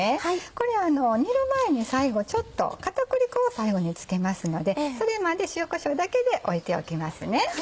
これは煮る前に最後ちょっと片栗粉を付けますのでそれまで塩こしょうだけで置いておきますね。